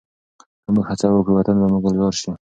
که موږ هڅه وکړو، وطن به مو ګلزار شي.